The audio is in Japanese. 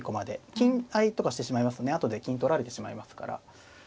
金合いとかしてしまいますとね後で金取られてしまいますから。